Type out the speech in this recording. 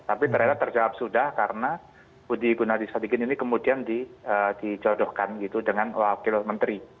tapi ternyata terjawab sudah karena budi gunadisadikin ini kemudian dicodohkan gitu dengan wakil menteri